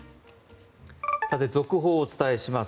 さて続報をお伝えします。